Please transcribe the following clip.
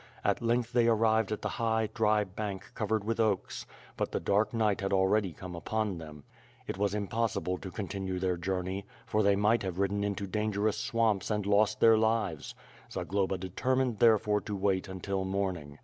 At length they arrived at the high, dry bank covered with oaks, but the dark night had already come upon them. Tt wa? impossible to continue their journey, for they might have ridden into dangerous swamps and lost their lives. Zagloba determined therefore to wait until morning.